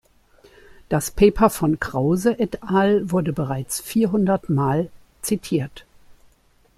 Das Paper von Krause et al. wurde bereits vierhundertmal zitiert.